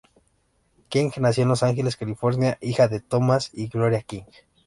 King nació en Los Ángeles, California, hija de Thomas y Gloria King.